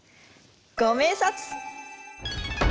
ご明察！